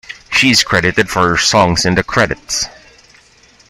She is credited for her songs in the credits.